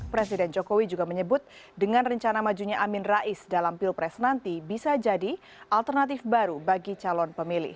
presiden jokowi juga menyebut dengan rencana majunya amin rais dalam pilpres nanti bisa jadi alternatif baru bagi calon pemilih